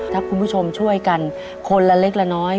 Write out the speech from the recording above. ถ้าคุณผู้ชมช่วยกันคนละเล็กละน้อย